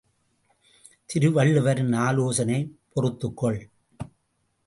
திருவள்ளுவரின் ஆலோசனை பொறுத்துக் கொள்!